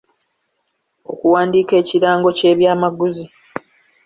okuwandiika ekuwandiika ekirango ky’ebyamaguzi